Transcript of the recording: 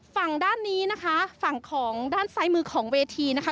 ฝั่งด้านนี้นะคะฝั่งของด้านซ้ายมือของเวทีนะคะ